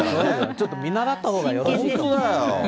ちょっと見習ったほうがいいですよ。